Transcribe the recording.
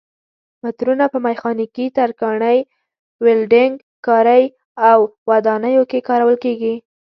مترونه په میخانیکي، ترکاڼۍ، ولډنګ کارۍ او ودانیو کې کارول کېږي.